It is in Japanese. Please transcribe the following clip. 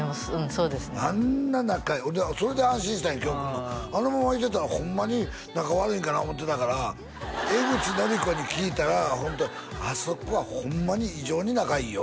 それで安心したんや今日来るのあのままいってたらホンマに仲悪いんかな思ってたから江口のりこに聞いたら「あそこはホンマに異常に仲いいよ」